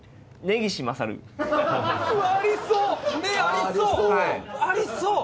「ネ」ありそう！